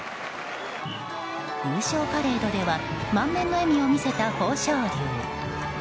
優勝パレードでは満面の笑みを見せた豊昇龍。